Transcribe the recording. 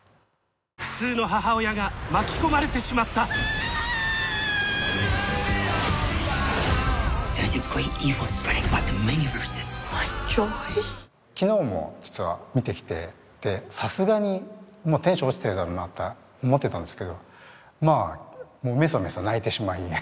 普通の母親が巻き込まれてしまった昨日も実は見てきてでさすがにテンション落ちてるだろうなって思ってたんですけどまあメソメソ泣いてしまい